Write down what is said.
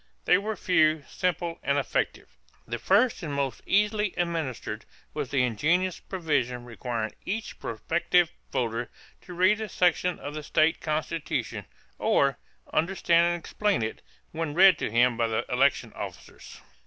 They were few, simple, and effective. The first and most easily administered was the ingenious provision requiring each prospective voter to read a section of the state constitution or "understand and explain it" when read to him by the election officers.